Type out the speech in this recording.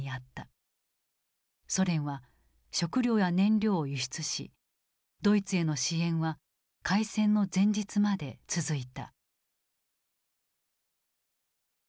ソ連は食料や燃料を輸出しドイツへの支援は開戦の前日まで続いた。